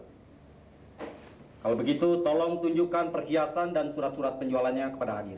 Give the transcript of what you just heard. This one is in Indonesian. hai kalau begitu tolong tunjukkan perhiasan dan surat surat penjualannya kepada hadir